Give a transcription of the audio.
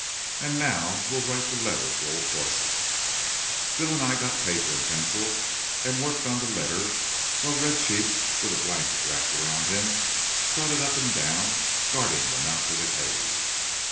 And now we'll write the letter to old Dorset." Bill and I got paper and pencil and worked on the letter while Red Chief, with a blanket wrapped around him, strutted up and down, guarding the mouth of the cave.